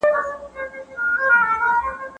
که عدالت نه وي نو ټولنه نه پاتیږي.